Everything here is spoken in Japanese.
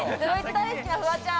大好きなフワちゃん。